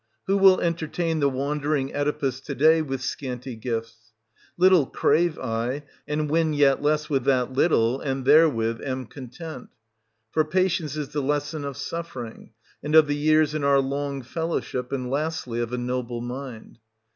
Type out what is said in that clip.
Who will entertain the wandering Oedipus to day with scanty gifts ? Little crave I, and win yet less than that little, and therewith am content ; for pat ience is the lesson of ■ sufferin g, and of the years in our long fellowship, and lastly of a noble mind.